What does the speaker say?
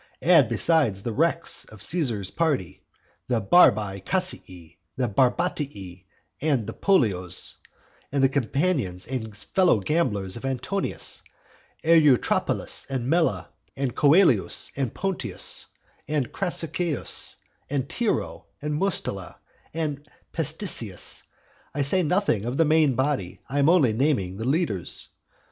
Add, besides the wrecks of Caesar's party, the Barbae Cassii, the Barbatii, the Pollios; add the companions and fellow gamblers of Antonius, Eutrapelus, and Mela, and Coelius, and Pontius, and Crassicius, and Tiro, and Mustela, and Petissius; I say nothing of the main body, I am only naming the leaders.